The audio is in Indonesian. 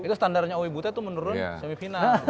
itu standarnya oibut tuh menurun semifinal